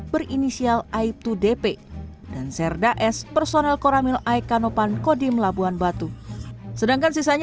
berinisial aibtu dp dan serdaes personel koramil aekanopan kodim labuhan batu sedangkan sisanya